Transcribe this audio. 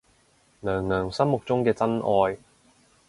娘娘心目中嘅真愛